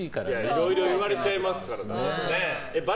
いろいろ言われちゃいますから。